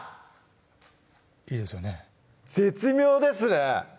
いいですよね絶妙ですね！